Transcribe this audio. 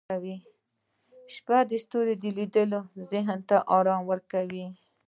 د شپې ستوري لیدل ذهن ته ارامي ورکوي